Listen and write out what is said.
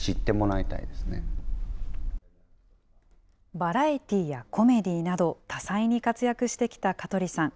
バラエティーやコメディーなど、多彩に活躍してきた香取さん。